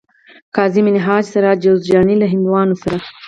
قاضي منهاج سراج جوزجاني له هندوانو سره